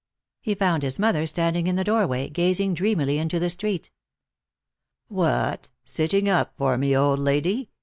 He found his mother standing in the doorway, gazing dreamily into the street. " What, sitting up for me, old lady